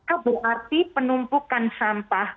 itu berarti penumpukan sampah